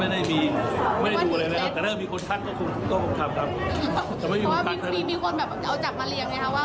ไม่ได้ดูเลยครับเพราะว่าเปิดตู้มาในทุกส่วนก็มาใส่ครับ